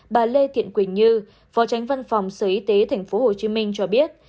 bà lê thiện quỳnh như phó tránh văn phòng sở y tế tp hcm cho biết